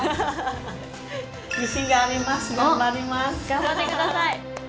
頑張ってください。